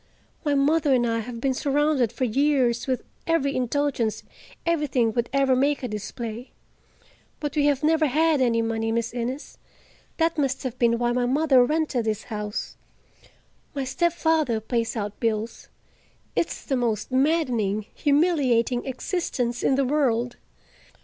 My mother and I have been surrounded for years with every indulgence everything that would make a display. But we have never had any money, Miss Innes; that must have been why mother rented this house. My stepfather pays our bills. It's the most maddening, humiliating existence in the world.